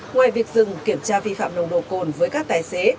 ngoài việc dừng kiểm tra vi phạm nồng độ cồn với các tài xế